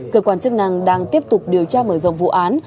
cơ quan chức năng đang tiếp tục điều tra mở rộng vụ án